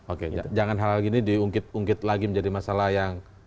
oke jangan hal hal gini diungkit ungkit lagi menjadi masalah yang